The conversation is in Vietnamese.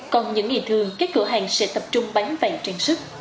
còn những ngày thường các cửa hàng sẽ tập trung bán vàng trang sức